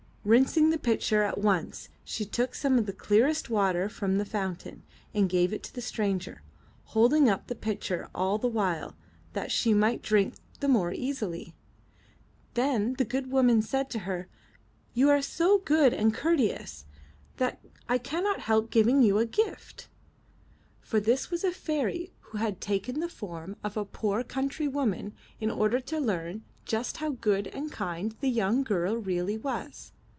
Rinsing the pitcher at once, she took some of the clearest water from the fountain, and gave it to the stranger, holding up the pitcher all the while, that she might drink the more easily. Then the good woman said to her: '*You are so good and courteous, that I cannot help 323 M Y BOOK HOUSE giving you a gift." For this was a fairy who had taken the form of a poor country woman in order to learn just how good and kind the young girl really was.